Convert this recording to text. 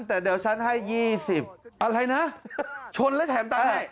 แต่เดี๋ยวฉันให้ยี่สิบอะไรนะชนแล้วแถมตัวไหน